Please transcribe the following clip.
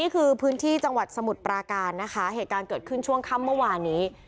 พื้นที่จังหวัดสมุทรปราการนะคะเหตุการณ์เกิดขึ้นช่วงค่ำเมื่อวานนี้